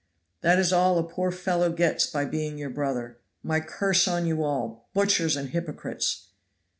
That is all a poor fellow gets by being your brother. My curse on you all! butchers and hypocrites!"